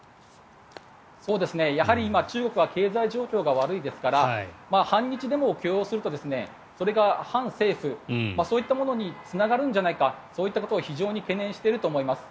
やはり今、中国は経済状況が悪いですから反日デモを許容するとそれが反政府そういったものにつながるんじゃないかそういうことを非常に懸念していると思います。